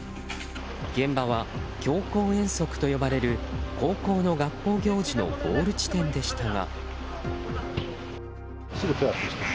現場は強行遠足と呼ばれる高校の学校行事のゴール地点でしたが。